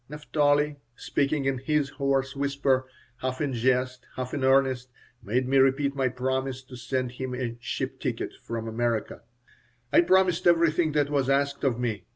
Naphtali, speaking in his hoarse whisper, half in jest, half in earnest, made me repeat my promise to send him a "ship ticket" from America. I promised everything that was asked of me.